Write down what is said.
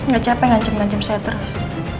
gak capek ngajem ngajem saya terus